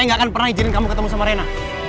jangan pernah izin kamu ketemu sama rena